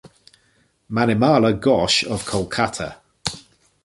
Manimala Ghosh of Kolkata.